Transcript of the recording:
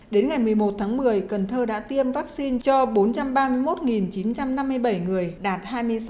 đến ngày một mươi một tháng một mươi cần thơ đã tiêm vaccine cho bốn trăm ba mươi một chín trăm năm mươi bảy người đạt hai mươi sáu